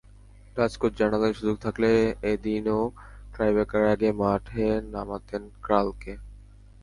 Dutch coach জানালেন, সুযোগ থাকলে এদিনও টাইব্রেকারের আগে মাঠে নামাতেন ক্রালকে।